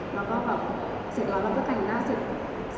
แล้วก็แบบเสร็จแล้วเราก็แต่งหน้าศึก